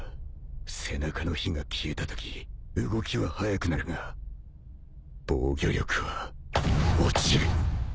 背中の火が消えたとき動きは速くなるが防御力は落ちる